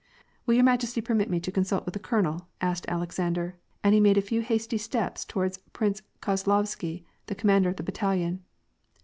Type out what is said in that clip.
" Will your majesty permit me to consult with the colonel ?" t asked Alexander, and he made a few hasty steps toward Prince Kozlovsky, the commander of the battalion.